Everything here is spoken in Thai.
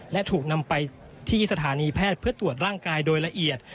และถูกนำไปที่สถานีแพทย์เพื่อตรวจร่างกายโดยละเอียด